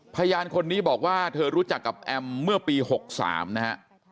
พยานคนนี้บอกว่าเธอรู้จักกับแอมเมื่อปี๖๓นะฮะ